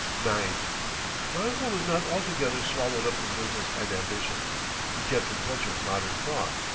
IX My uncle was not altogether swallowed up in business and ambition. He kept in touch with modern thought.